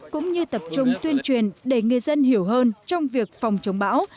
cũng như tập trung tuyên truyền để người dân hiểu hơn trong việc phòng chống bão